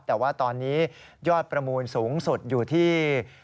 แต่ว่าตอนนี้ยอดประมูลสูงสุดอยู่ที่